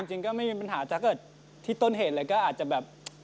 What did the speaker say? จริงก็ไม่มีปัญหาถ้าเกิดที่ต้นเหตุเลยก็อาจจะแบบ